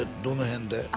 どの辺で？